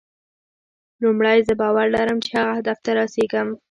لومړی زه باور لرم چې هغه هدف ته رسېږم.